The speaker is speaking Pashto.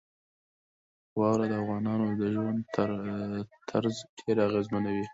واوره د افغانانو د ژوند طرز ډېر اغېزمنوي.